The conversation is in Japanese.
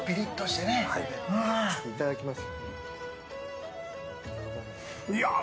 いただきます。